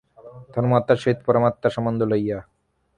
ধর্ম আত্মার সহিত পরমাত্মার সম্বন্ধ লইয়া।